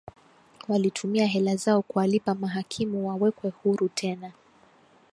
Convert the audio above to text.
Walitumia hela zao kuwalipa mahakimu wawekwe huru tena